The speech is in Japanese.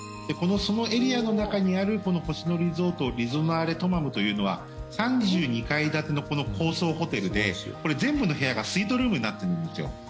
そのエリアの中にある星野リゾートリゾナーレトマムというのは３２階建ての高層ホテルで全部の部屋がスイートルームになってるんですよ。